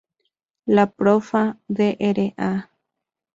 La Profª Dra.